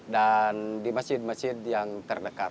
dan di mesin mesin yang terdekat